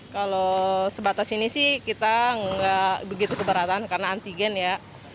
kalau sebatas ini sih kita nggak begitu keberatan karena antigen ya